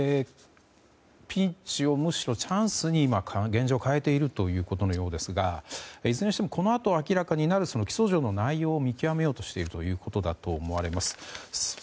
ピンチをむしろチャンスに現状、変えているというようですがいずれにしても、このあと明らかになる起訴状の内容を見極めようとしているということだと思います。